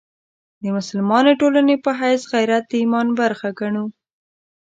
د مسلمانې ټولنې په حیث غیرت د ایمان برخه ګڼو.